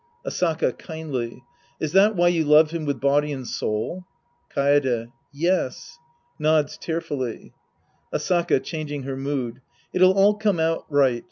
Asaka {kindly^ Is that why you love him with body and soul ? Kaede. Yes. {Nods tearfully^ Asaka {changing her mood). It'll all come out right.